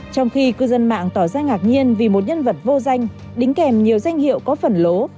trong khi cư dân mạng tỏ ra ngạc nhiên vì một nhân vật vô danh đính kèm nhiều danh hiệu có phần lố